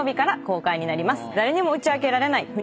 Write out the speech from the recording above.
誰にも打ち明けられない。